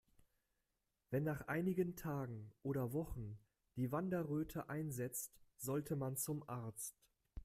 Wenn nach einigen Tagen oder Wochen die Wanderröte einsetzt, sollte man zum Arzt.